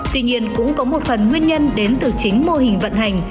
tuy nhiên cũng có một phần nguyên nhân đến từ chính mô hình vận hành